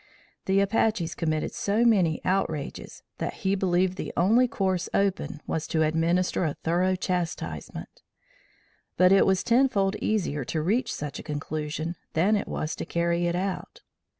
The Apaches committed so many outrages that he believed the only course open was to administer a thorough chastisement; but it was tenfold easier to reach such a conclusion than it was to carry it out.